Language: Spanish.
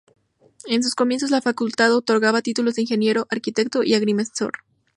En sus comienzos, la facultad otorgaba títulos de Ingeniero, Arquitecto y Agrimensor.